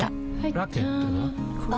ラケットは？